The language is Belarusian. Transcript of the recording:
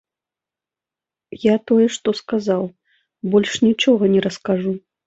Я тое што сказаў, больш нічога не раскажу.